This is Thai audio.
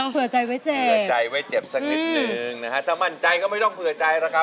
เผื่อใจไว้เจ็บสักนิดนึงนะถ้ามั่นใจก็ไม่ต้องเผื่อใจเลยครับ